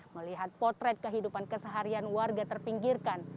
melihat potret kehidupan keseharian warga terpinggirkan